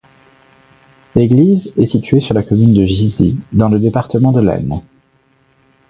L'église est située sur la commune de Gizy, dans le département de l'Aisne.